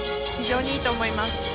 非常にいいと思います。